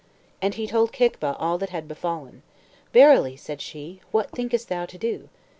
And he told Kicva all that had befallen. "Verily," said she, "what thinkest thou to do?"